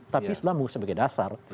tapi islam sebagai dasar